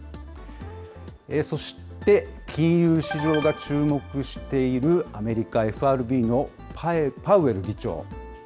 そして、金融市場が注目しているアメリカ、ＦＲＢのパウエル議長。